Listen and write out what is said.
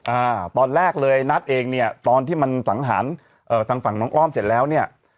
อ่าตอนแรกเลยนัทเองเนี่ยตอนที่มันสังหารเอ่อทางฝั่งน้องอ้อมเสร็จแล้วเนี่ย